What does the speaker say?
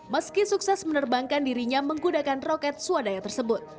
meski sukses menerbangkan dirinya menggudakan roket suadaya tersebut